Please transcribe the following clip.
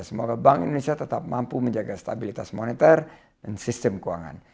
semoga bank indonesia tetap mampu menjaga stabilitas moneter dan sistem keuangan